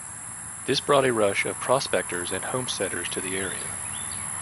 This brought a rush of prospectors and homesteaders to the area.